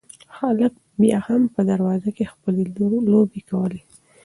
هلک بیا هم په دروازه کې خپلې لوبې کولې.